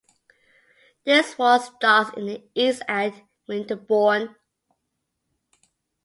This ward starts in the east at Winterbourne.